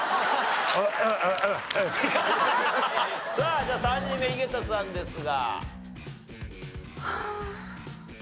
さあじゃあ３人目井桁さんですが。